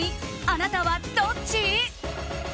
あなたはどっち？